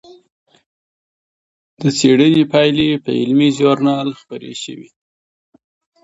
د څېړنې پایلې په علمي ژورنال خپرې شوې.